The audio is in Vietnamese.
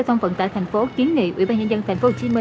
sở giao thông vận tải tp hcm